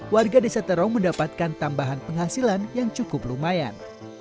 warga desa terong mendapatkan tambahan penghasilan yang cukup lumayan